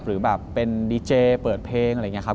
หรือแบบเป็นดีเจเปิดเพลงอะไรอย่างนี้ครับ